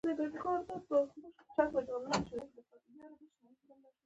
رومیان به فکر وکړي مسلمانان مات شول.